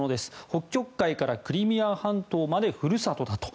北極海からクリミア半島までふるさとだと。